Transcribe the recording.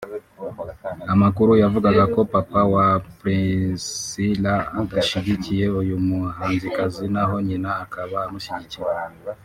Amakuru yavugaga ko papa wa Priscillah adashyigikiye uyu muhanzikazi naho nyina akaba amushyigikiye